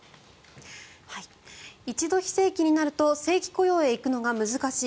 一度、非正規になると正規雇用に行くのは難しい。